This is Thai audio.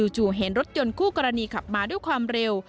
เห็นรถยนต์คู่กรณีขับมาด้วยความเร็ว